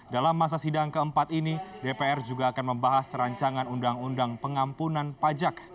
dalam masa sidang keempat ini dpr juga akan membahas rancangan undang undang pengampunan pajak